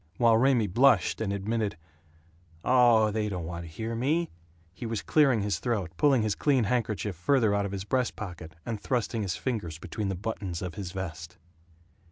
While Raymie blushed and admitted, "Oh, they don't want to hear me," he was clearing his throat, pulling his clean handkerchief farther out of his breast pocket, and thrusting his fingers between the buttons of his vest.